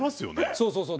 そうそうそう。